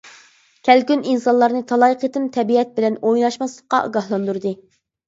كەلكۈن ئىنسانلارنى تالاي قېتىم تەبىئەت بىلەن ئويناشماسلىققا ئاگاھلاندۇردى.